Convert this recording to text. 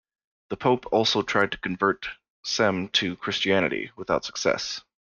The Pope also tried to convert Cem to Christianity, without success.